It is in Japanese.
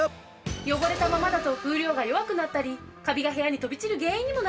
汚れたままだと風量が弱くなったりカビが部屋に飛び散る原因にもなるのよ。